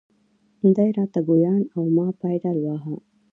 دی را ته ګویان و او ما پایډل واهه.